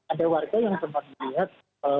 ada warga yang sempat melihat